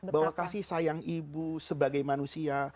bahwa kasih sayang ibu sebagai manusia